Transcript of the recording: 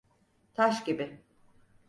Taş gibi.